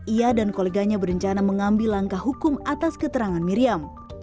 ia dan koleganya berencana mengambil langkah hukum atas keterangan miriam